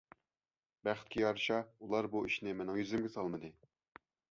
بەختكە يارىشا ئۇلار بۇ ئىشنى مېنىڭ يۈزۈمگە سالمىدى.